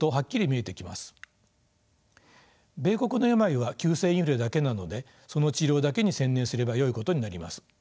米国の病は急性インフレだけなのでその治療だけに専念すればよいことになります。